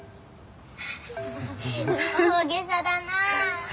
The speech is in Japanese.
大げさだなあ。